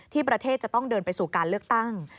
ประเทศจะต้องเดินไปสู่การเลือกตั้ง